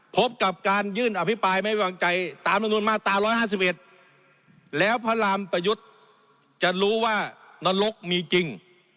พบกับการยื่นอภิปรายไม่วางใจตามลำนวนมาตรา๑๕๑แล้วพระรามประยุทธ์จะรู้ว่านรกมีจริง